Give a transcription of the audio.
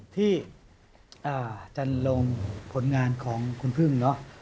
ที่จัดลงผลงานของคุณพึ่ง